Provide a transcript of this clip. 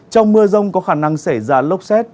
trong mưa rông có khả năng xảy ra lốc xét